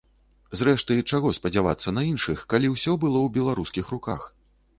Зрэшты, чаго спадзявацца на іншых, калі ўсё было ў беларускіх руках.